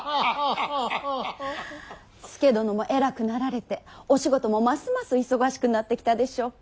佐殿も偉くなられてお仕事もますます忙しくなってきたでしょう。